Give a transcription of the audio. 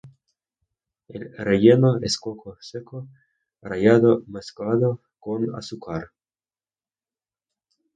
El relleno es coco seco rallado mezclado con azúcar.